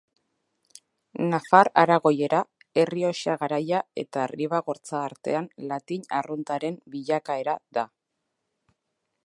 Nafar-aragoiera Errioxa Garaia eta Ribagortza artean latin arruntaren bilakaera da.